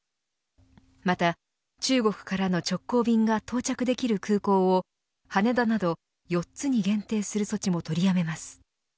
また中国からの直行便が到着できる空港を羽田など４つに限定する措置も取りやめます。